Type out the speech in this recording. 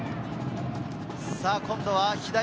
今度は左。